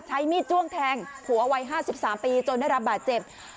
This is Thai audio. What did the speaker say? ใช้มีดจ้วงแทงผัววัย๕๓ปีจนได้รับบาดเจ็บ